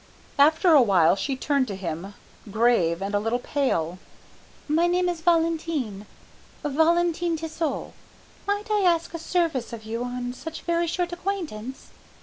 After a while she turned to him, grave and a little pale. "My name is Valentine Valentine Tissot. Might might I ask a service of you on such very short acquaintance?"